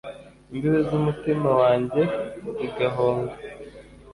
Imbibi z'umutima wanjye zigahonga